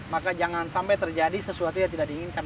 maka jangan sampai terjadi sesuatu yang tidak diinginkan